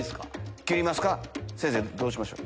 どうしましょう？